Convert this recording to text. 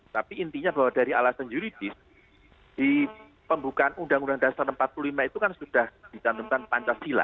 tapi intinya bahwa dari alasan juridis di pembukaan uud empat puluh lima itu kan sudah dikandungkan pancasila